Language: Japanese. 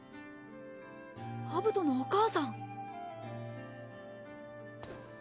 アブトのお母さん！